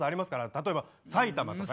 例えば埼玉とかね。